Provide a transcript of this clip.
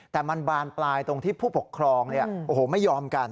แต่มันบานปลายตรงที่ผู้ปกครองไม่ยอมกัน